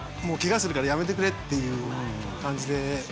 もうケガするからやめてくれっていう感じで。